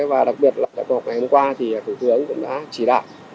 và đặc biệt là ngày hôm qua thì thủ tướng cũng đã chỉ đạo